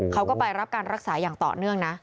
เขาก็ไปรับการรักษาอย่างต่อเนื่องนะ